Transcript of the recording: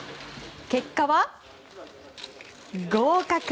結果は合格！